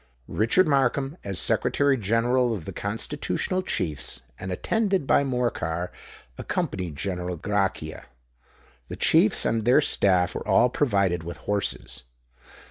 Richard Markham, as Secretary General of the Constitutional Chiefs, and attended by Morcar, accompanied General Grachia. The chiefs and their staff were all provided with horses.